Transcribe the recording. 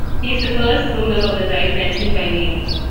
He is the first ruler of the tribe mentioned by name.